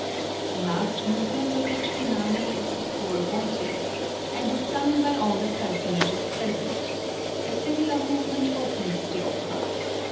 The last movement of each finale is for four voices, and is sung by all the personages present; a similar movement opens the opera.